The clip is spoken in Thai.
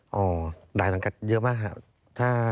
อ๋อหลายสังกัดเยอะมากค่ะ